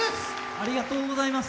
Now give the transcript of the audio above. ありがとうございます。